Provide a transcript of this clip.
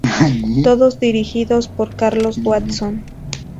Todos dirigidos por Carlos Watson.